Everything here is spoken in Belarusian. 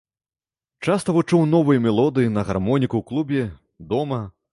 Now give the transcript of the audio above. Часта вучыў новыя мелодыі на гармоніку ў клубе, дома.